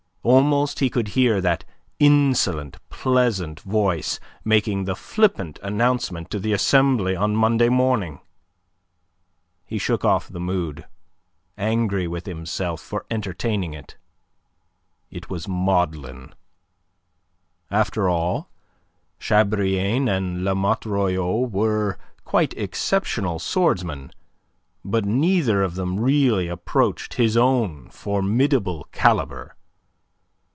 Almost he could hear that insolent, pleasant voice making the flippant announcement to the Assembly on Monday morning. He shook off the mood, angry with himself for entertaining it. It was maudlin. After all Chabrillane and La Motte Royau were quite exceptional swordsmen, but neither of them really approached his own formidable calibre.